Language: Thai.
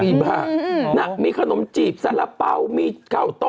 อุ๊ยบ้าน่ะมีขนมจีบสระเป๋ามีเก่าต้มหมู